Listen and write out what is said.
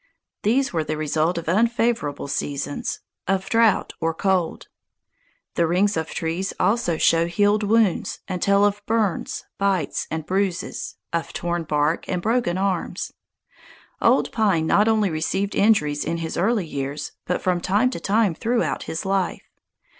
These were the result of unfavorable seasons, of drought or cold. The rings of trees also show healed wounds, and tell of burns, bites, and bruises, of torn bark and broken arms. Old Pine not only received injuries in his early years, but from time to time throughout his life.